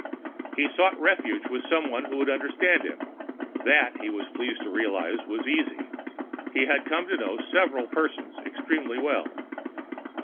He sought refuge with someone who would understand him. That, he was pleased to realize, was easy. He had come to know several persons extremely well.